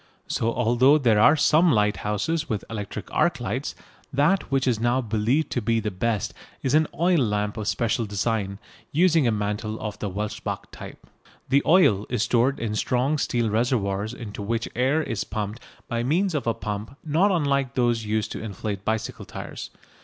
So although there are some lighthouses with electric arc lights, that which is now believed to be the best is an oil lamp of special design, using a mantle of the Welsbach type. The oil is stored in strong steel reservoirs into which air is pumped by means of a pump not unlike those used to inflate bicycle tyres.